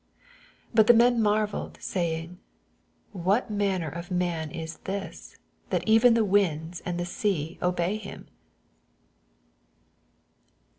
27 But the men marvelled, saying, What manner of man is this, that even the winds and the sea obey him!